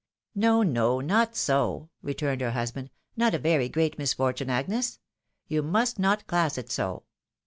" No, no, not so," returned her husband ;" not a very great misfortune, Agnes. You must not class it so.